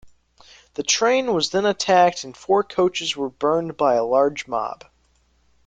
The train was then attacked and four coaches were burned by a large mob.